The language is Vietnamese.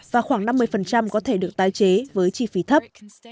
và khoảng năm mươi có thể được tái chế với chi phí thấp